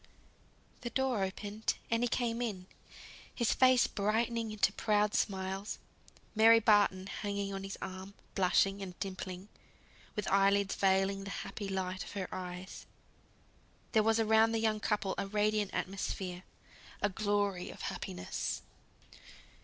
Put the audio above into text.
The door opened, and he came in; his face brightening into proud smiles, Mary Barton hanging on his arm, blushing and dimpling, with eye lids veiling the happy light of her eyes, there was around the young couple a radiant atmosphere a glory of happiness.